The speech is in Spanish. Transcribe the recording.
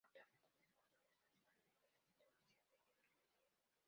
Actualmente el disco sólo está disponible en el sitio oficial de Emilie.